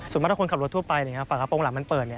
ส่วนมากถ้าคนขับรถทั่วไปฝากระโปรงหลังมันเปิด